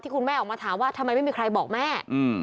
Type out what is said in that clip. คุณแม่ออกมาถามว่าทำไมไม่มีใครบอกแม่